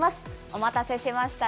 お待たせしました。